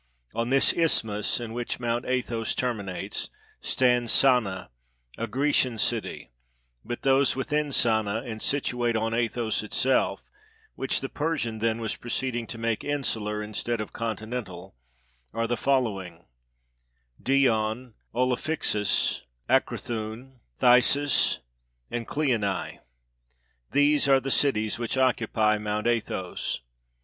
On this isthmus, in which Mount Athos terminates, stands Sana, a Grecian city; but those within Sana, and situate on Athos itself, which the Persian then was proceeding to make insular instead of continental, are the follow ing, Dion, Olophyxus, Acrothoon, Thyssus, and Cleonae. These are the cities which occupy Mount Athos.